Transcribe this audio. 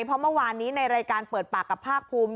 เพราะเมื่อวานนี้ในรายการเปิดปากกับภาคภูมิ